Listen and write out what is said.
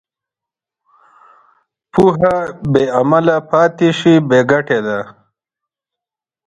پوهه بېعمله پاتې شي، بېګټې ده.